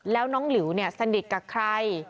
แล้วน้องหลิวเนี่ยสนิทกับใคร